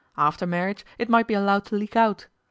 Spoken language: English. After marriage it might be allowed to leak out.